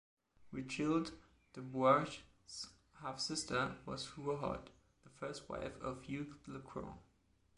Richilde de Bourges`s half-sister was Rohaut, the first wife of Hugues le Grand.